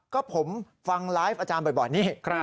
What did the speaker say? ก็ผมฟังไลฟ์อาจารย์บ่อยนี่